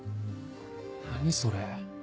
何それ。